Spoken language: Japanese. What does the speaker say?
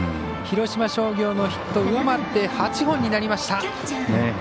広島商業のヒットを上回って８本になりました。